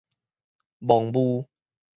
雺霧